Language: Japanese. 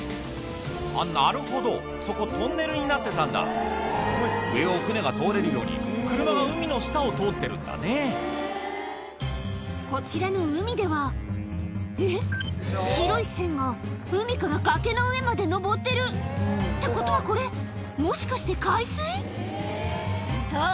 あっなるほどそこトンネルになってたんだ上を船が通れるように車が海の下を通ってるんだねこちらの海ではえっ白い線が海から崖の上まで上ってる！ってことはこれもしかして海水⁉そう！